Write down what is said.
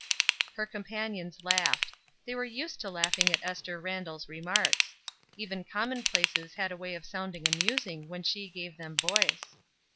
Her companions laughed. They were used to laughing at Esther Randall's remarks. Even commonplaces had a way of sounding amusing when she gave them voice.